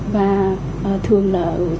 và thường là ở triều tiên